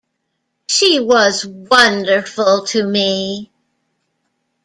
She was wonderful to me.